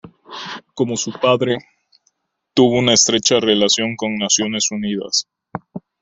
Como su padre, tuvo una estrecha relación con Naciones Unidas.